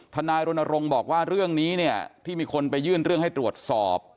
ทนายรณรงค์บอกว่าเรื่องนี้เนี่ยที่มีคนไปยื่นเรื่องให้ตรวจสอบ